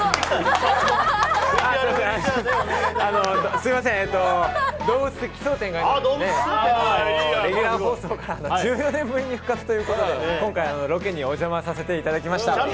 すいません、「どうぶつ奇想天外！」がレギュラー放送から１４年ぶりに復活ということで、今回ロケにお邪魔させていただきました。